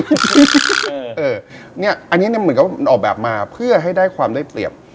อันนี้เหมือนกับมันออกแบบมาเพื่อให้ได้ความได้เปรียบ